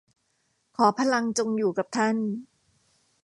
ขอพลังจงอยู่กับท่าน